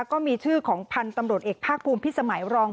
ก็มีชื่อของพันธุ์ตำรวจเอกภาคภูมิพิสมัยรอง